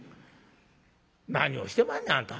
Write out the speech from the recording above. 「何をしてまんねんあんた。